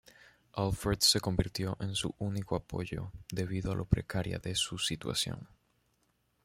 Alfred se convirtió en su único apoyo debido a lo precaria de su situación.